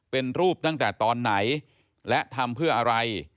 เป็นรูปตั้งแต่ตอนไหนและทำเพื่ออะไร